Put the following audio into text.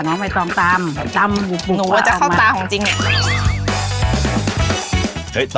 น้องไม้ต้องตำตำบุบบเดี๋ยวเอามา